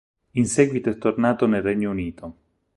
In seguito è tornato nel Regno Unito.